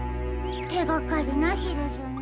てがかりなしですね。